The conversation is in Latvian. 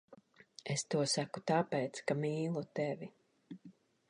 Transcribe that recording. Es to saku tāpēc, ka mīlu tevi.